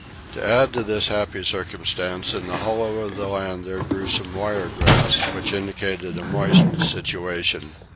To add to this happy circumstance in the hollow of the land there grew some wire grass, which indicated a moist situation.